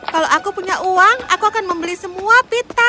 kalau aku punya uang aku akan membeli semua pita